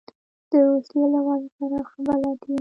د روسیې له وضع سره ښه بلد یم.